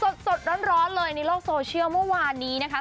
บอกว่าสดร้อนเลยในโลกโซเชียลเมื่อวานนี้นะครับ